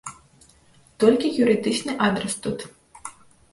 Толькі юрыдычны адрас тут.